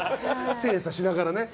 精査しながらね。